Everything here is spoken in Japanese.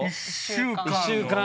１週間。